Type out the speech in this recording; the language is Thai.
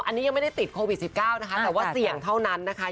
อันนี้ยังไม่ได้ติดโควิด๑๙นะคะแต่ว่าเสี่ยงเท่านั้นนะคะ